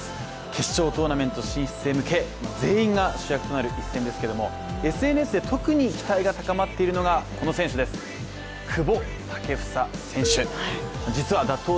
決勝トーナメント進出へ向け全員が主役となる一戦ですけれどもＳＮＳで特に期待が高まっているのがこの選手です、久保建英選手、実は打倒